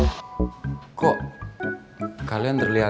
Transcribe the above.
itu udah kebetulan living bunga game ya